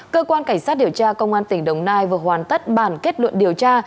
cơ quan cảnh sát điều tra công an tỉnh đồng nai vừa hoàn tất bản kết luận điều tra